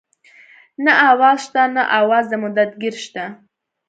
نه اواز شته نه اواز د مدد ګير شته